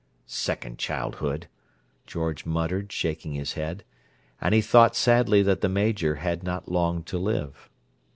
"Second childhood!" George muttered, shaking his head; and he thought sadly that the Major had not long to live.